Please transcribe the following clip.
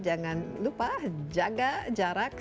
jangan lupa jaga jarak